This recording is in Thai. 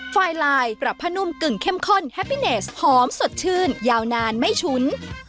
ไฟไลน์ปรับผ้านุ่มกึ่งเข้มข้นแฮปปี้เนสหอมสดชื่นยาวนานไม่ชุ้น